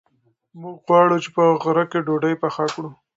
موږ غواړو چې په غره کې ډوډۍ پخه کړو.